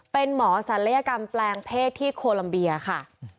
เป็นหมอศัลยกรรมแปลงเพศที่โคลัมเบียค่ะ